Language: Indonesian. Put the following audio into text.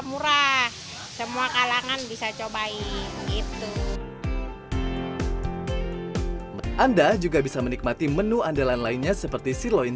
murah semua kalangan bisa cobain itu anda juga bisa menikmati menu andalan lainnya seperti siloin